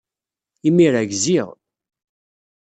Imir-a, gziɣ.